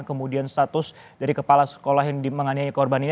kemudian status dari kepala sekolah yang menganiaya korban ini